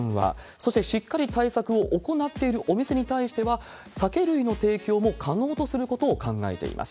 そして、しっかり対策を行っているお店に対しては、酒類の提供も可能とすることを考えています。